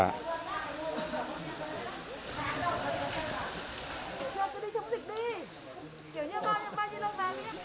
chúng tôi đi chống dịch đi